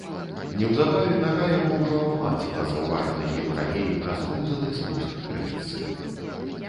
Неўзабаве нага яго ўжо абмацала заўважаны ім раней раскоўзаны спуск к рэчцы.